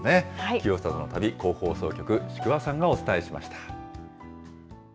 清里の旅、甲府放送局、宿輪さんがお伝えしました。